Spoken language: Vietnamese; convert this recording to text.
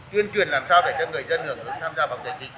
chuyên truyền làm sao để cho người dân hưởng ứng tham gia vào dịch bệnh